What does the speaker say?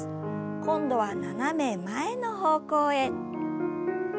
今度は斜め前の方向へ。